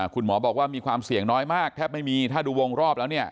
คุณหมอบอกว่ามีความเสี่ยงน้อยมากแทบไม่มีถ้าดูวงรอบแล้วเนี่ย